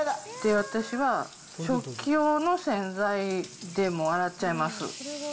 私は食器用の洗剤で、もう洗っちゃいます。